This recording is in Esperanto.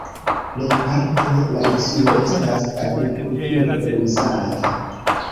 Plejparte la insulo estas agrikulture uzata.